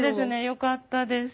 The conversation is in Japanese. よかったです。